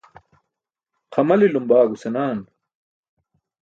Xamalilum baago senaan.